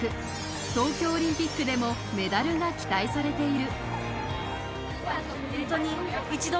東京オリンピックでもメダルが期待されている。